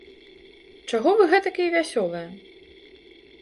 Чаго вы гэтакія вясёлыя?